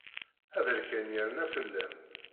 Aberkan yerna fell-am.